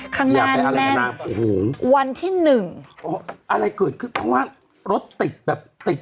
ข้างนานแม่งโอ้โหวันที่หนึ่งอ๋ออะไรเกิดขึ้นเพราะว่ารถติดแบบติด